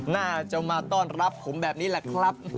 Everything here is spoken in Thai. น่าจะมาต้อนรับผมแบบนี้แหละครับ